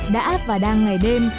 đã và đang ngày đêm